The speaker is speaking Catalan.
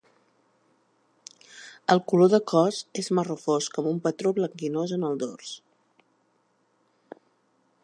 El color de cos és marró fosc, amb un patró blanquinós en el dors.